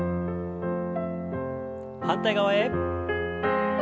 反対側へ。